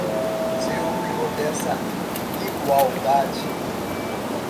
Se o penhor dessa igualdade